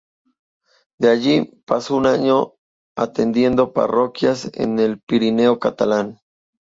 De allí pasó un año atendiendo parroquias en el Pirineo catalán.